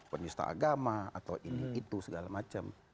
penyusahagama atau ini itu segala macam